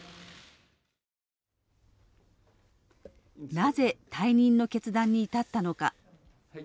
なぜ、退任の決断に至ったのか。